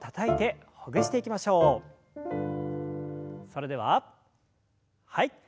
それでははい。